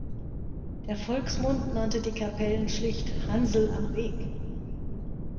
Der Volksmund nannte die Kapellen schlicht „Hansl am Weg“.